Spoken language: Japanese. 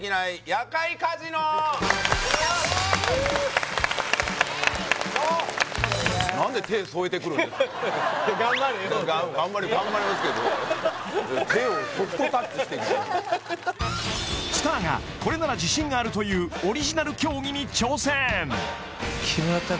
夜会カジノイエイ頑張りますけどしてきたスターがこれなら自信があるというオリジナル競技に挑戦